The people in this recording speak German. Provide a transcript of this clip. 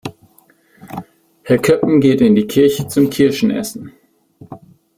Herr Köppen geht in die Kirche zum Kirschen essen.